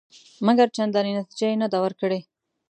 مګر چندانې نتیجه یې نه ده ورکړې.